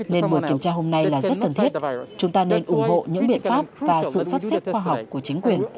nên buổi kiểm tra hôm nay là rất cần thiết chúng ta nên ủng hộ những biện pháp và sự sắp xếp khoa học của chính quyền